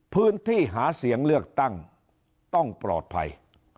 พื้นที่หาเสียงเลือกตั้งต้องปลอดภัย